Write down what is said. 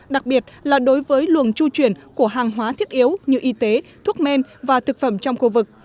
đặc biệt là đối với luồng tru chuyển của hàng hóa thiết yếu như y tế thuốc men và thực phẩm trong khu vực